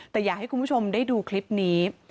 แต่อยากให้คุณผู้ชมได้ดูคลิปนี้